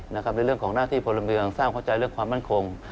ในเรื่องของหน้าที่พลเมืองสร้างเข้าใจเรื่องความมั่นคง